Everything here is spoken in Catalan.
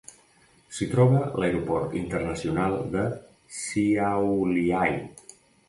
S'hi troba l'Aeroport Internacional de Šiauliai.